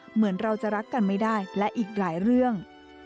เหมือนเราจะรักกันไม่ได้และอีกหลายเรื่อง